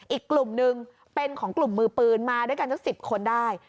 อีกกลุ่มหนึ่งเป็นของกลุ่มมือปืนมาด้วยกันสัก๑๐คนได้